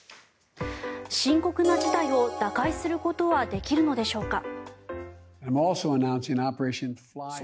深刻な事態を打開することはできるのでしょうか。